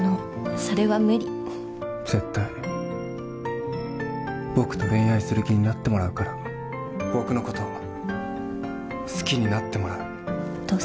絶対僕と恋愛する気になってもらうか僕のこと好きになってもらうどう？